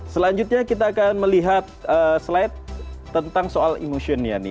selanjutnya kita akan melihat slide tentang soal emotionnya nih